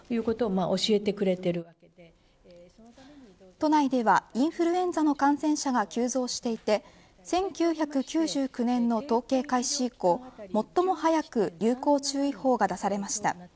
都内ではインフルエンザの感染者が急増していて１９９９年の統計開始以降最も早く流行注意報が出されました。